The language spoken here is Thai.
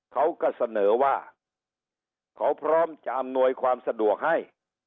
เขาก็เสนอว่าเขาพร้อมจะอำนวยความสะดวกให้